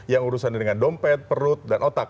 yang urusannya dengan dompet perut dan otak